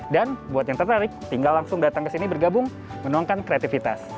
dan buat yang tertarik tinggal langsung datang ke sini bergabung menuangkan kreativitas